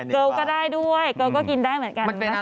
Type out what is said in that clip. เกลก็ได้ด้วยเกิลก็กินได้เหมือนกัน